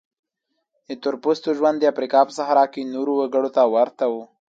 د تور پوستو ژوند د افریقا په صحرا کې نورو وګړو ته ورته و.